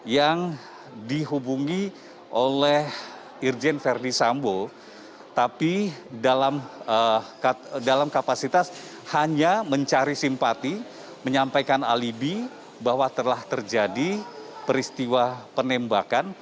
yang dihubungi oleh irjen verdi sambo tapi dalam kapasitas hanya mencari simpati menyampaikan alibi bahwa telah terjadi peristiwa penembakan